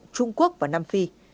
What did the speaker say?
trung quốc và nam phi